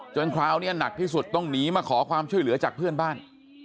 คราวนี้หนักที่สุดต้องหนีมาขอความช่วยเหลือจากเพื่อนบ้าน